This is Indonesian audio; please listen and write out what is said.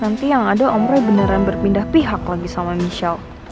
nanti yang ada om roy beneran berpindah pihak lagi sama michelle